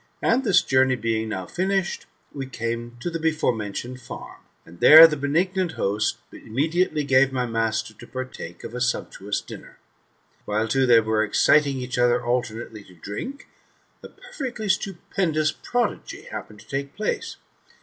And diis journey being now finished, we came to the before^net^ioaed farm, and there the benignant host immediately gave my master to partake of a sumptuous dinner. While, too, they were exetdng eadi other alternately to drink, a perfectly stupendous prodtgv happened to take place.